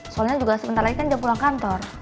soalnya juga sebentar lagi kan jam pulang kantor